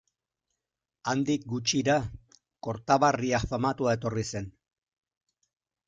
Handik gutxira, Kortaberria famatua etorri zen.